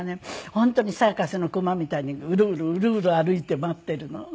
本当にサーカスの熊みたいにウロウロウロウロ歩いて待っているの。